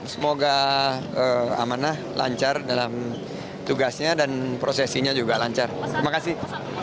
semoga amanah lancar dalam tugasnya dan prosesinya juga lancar terima kasih